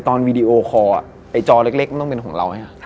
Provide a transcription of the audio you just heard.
ตอนวิดีโอคอลจอเล็กมันต้องเป็นของเรา